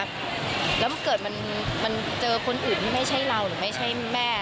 แล้วเกิดมันเจอคนอื่นที่ไม่ใช่เราหรือไม่ใช่แม่